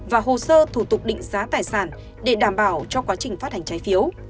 và hồ sơ thủ tục định giá tài sản để đảm bảo cho quá trình phát hành trái phiếu